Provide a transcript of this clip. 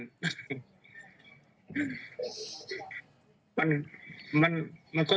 อีกมันก็ต้องแต่ก่อน